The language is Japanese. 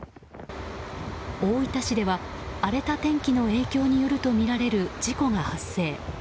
大分市では荒れた天気の影響によるとみられる事故が発生。